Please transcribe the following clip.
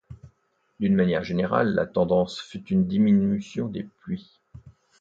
D'une manière générale, la tendance fut une diminution des pluies.